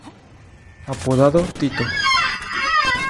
Apodado "Tito".